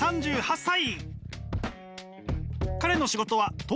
３８歳。